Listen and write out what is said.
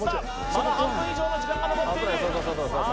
まだ半分以上の時間が残っているさあ